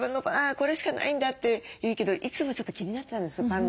これしかないんだっていうけどいつもちょっと気になってたんですパンの。